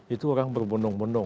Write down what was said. itu orang berbundung bundung